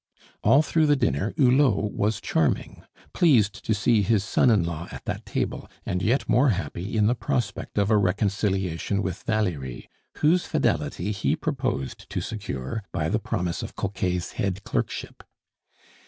All through the dinner Hulot was charming; pleased to see his son in law at that table, and yet more happy in the prospect of a reconciliation with Valerie, whose fidelity he proposed to secure by the promise of Coquet's head clerkship.